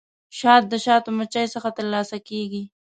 شات د شاتو مچیو څخه ترلاسه کیږي